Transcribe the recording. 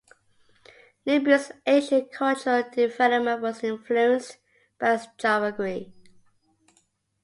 Nubia's ancient cultural development was influenced by its geography.